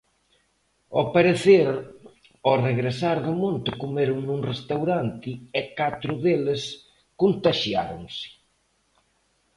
Ao parecer, ao regresar do monte comeron nun restaurante e catro deles contaxiáronse.